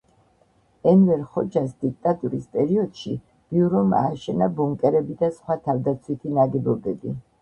ენვერ ხოჯას დიქტატურის პერიოდში ბიურომ ააშენა ბუნკერები და სხვა თავდაცვითი ნაგებობები.